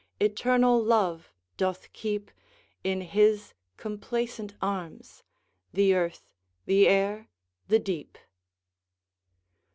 Eternal Love doth keep, In his complacent arms, the earth, the air, the deep.